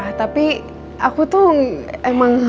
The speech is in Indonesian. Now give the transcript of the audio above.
iya pak tapi aku tuh emang